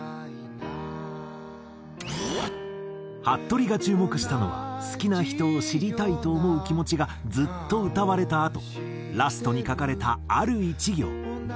はっとりが注目したのは好きな人を知りたいと思う気持ちがずっと歌われたあとラストに書かれたある一行。